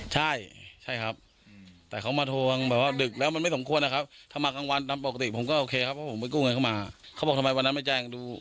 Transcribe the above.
จับใครได้นี่ตั้งที่ผมมีหลักฐานเขาไม่ดู